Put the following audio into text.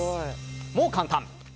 もう簡単！